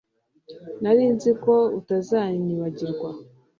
Nari nzi ko utazanyibagirwa